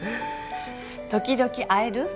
時々会える？